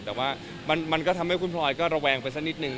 แต่ว่ามันก็ทำให้คุณพลอยก็ระแวงไปสักนิดนึง